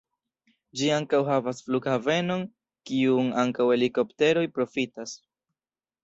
Ĝi ankaŭ havas flughavenon, kiun ankaŭ helikopteroj profitas.